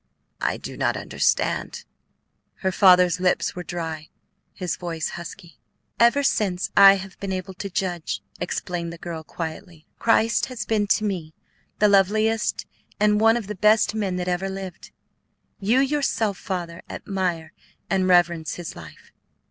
"I do not understand." Her father's lips were dry, his voice husky. "Ever since I have been able to judge," explained the girl, quietly, "Christ has been to me the loveliest and one of the best men that ever lived. You yourself, Father, admire and reverence his life."